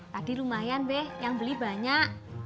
tadi lumayan deh yang beli banyak